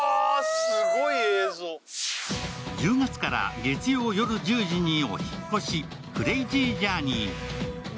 １０月から月曜夜１０時にお引っ越し、「クレイジージャーニー」。